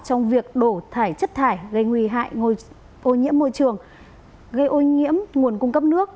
trong việc đổ thải chất thải gây nguy hại ô nhiễm môi trường gây ô nhiễm nguồn cung cấp nước